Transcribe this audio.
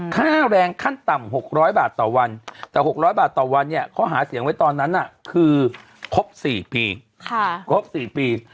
ค่าแรงขั้นต่ำ๖๐๐บาทต่อวันแต่๖๐๐บาทต่อวันเนี่ยเขาหาเสียงไว้ตอนนั้นคือครบ๔ปีครบ๔ปี